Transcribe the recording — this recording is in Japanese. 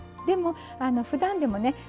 でもふだんでもね